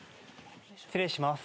失礼します。